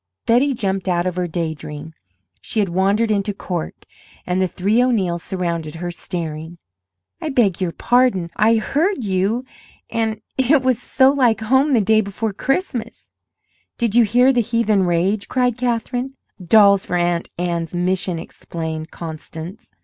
Betty jumped out of her day dream. She had wandered into "Cork" and the three O'Neills surrounded her, staring. "I beg your pardon I heard you and it was so like home the day before Christmas " "Did you hear the heathen rage?" cried Katherine. "Dolls for Aunt Anne's mission," explained Constance.